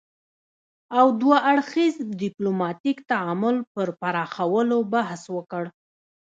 او دوه اړخیز ديپلوماتيک تعامل پر پراخولو بحث وکړ